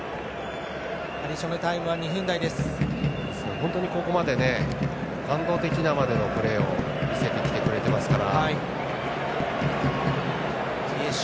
本当にここまで感動的なまでのプレーを見せてきてくれてますから。